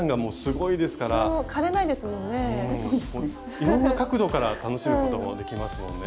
いろんな角度から楽しむこともできますもんね。